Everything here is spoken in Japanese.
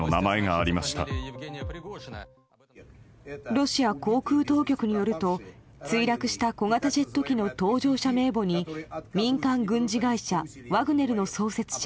ロシア航空当局によると墜落した小型ジェット機の搭乗者名簿に民間軍事会社ワグネルの創設者